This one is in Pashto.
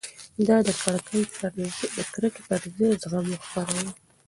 ده د کرکې پر ځای زغم خپراوه.